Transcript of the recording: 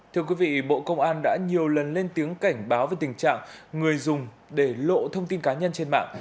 thưa quý vị bộ công an đã nhiều lần lên tiếng cảnh báo về tình trạng người dùng để lộ thông tin cá nhân trên mạng